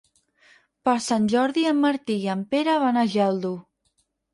Per Sant Jordi en Martí i en Pere van a Geldo.